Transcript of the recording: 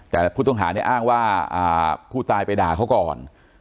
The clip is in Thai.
แต่ผู้ต้องหาเนี่ยอ้างว่าผู้ตายไปด่าเขาก่อน